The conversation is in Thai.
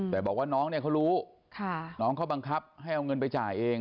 แต่บอกว่าน้องเนี่ยเขารู้น้องเขาบังคับให้เอาเงินไปจ่ายเอง